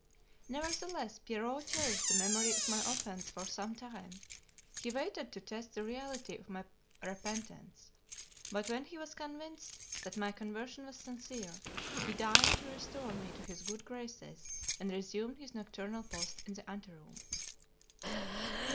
Nevertheless, Pierrot cherished the memory of my offence for some time; he waited to test the reality of my repentance, but when he was convinced that my conversion was sincere, he deigned to restore me to his good graces, and resumed his nocturnal post in the anteroom.